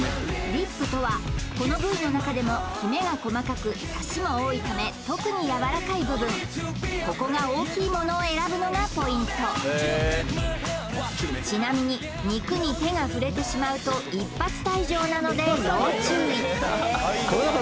リップとはこの部位の中でもきめが細かくサシも多いため特にやわらかい部分ここが大きいものを選ぶのがポイントちなみに肉に手が触れてしまうと一発退場なので要注意！